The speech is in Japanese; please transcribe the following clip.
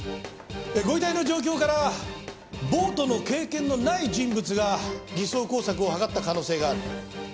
ご遺体の状況からボートの経験のない人物が偽装工作を図った可能性がある。